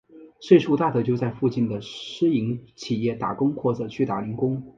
岁数大的就在附近的私营企业打工或者去打零工。